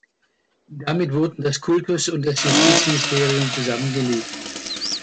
Damit wurden das Kultus- und das Justizministerium zusammengelegt.